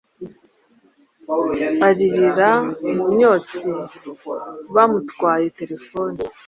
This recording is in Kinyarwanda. aririra mumyotsi bamutwaye telephone